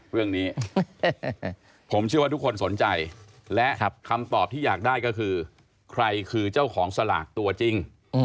เรื่องนี้ผมเชื่อว่าทุกคนสนใจและคำตอบที่อยากได้ก็คือใครคือเจ้าของสลากตัวจริง